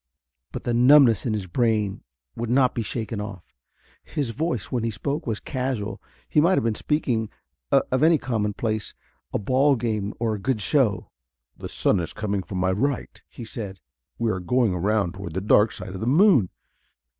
But the numbness in his brain would not be shaken off. His voice, when he spoke, was casual. He might have been speaking of any commonplace a ball game, or a good show. "The sun is coming from my right," he said. "We are going around toward the dark side of the moon.